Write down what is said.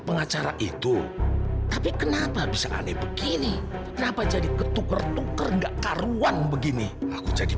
pengacara itu tapi kenapa bisa aneh begini kenapa jadi ketuker tuker enggak karuan begini aku jadi